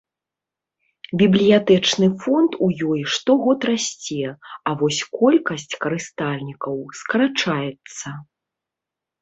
Бібліятэчны фонд у ёй штогод расце, а вось колькасць карыстальнікаў скарачаецца.